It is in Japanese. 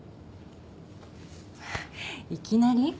いきなり？